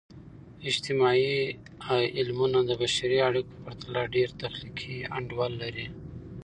اجتماعي علمونه د بشري اړیکو په پرتله ډیر تخلیقي انډول لري.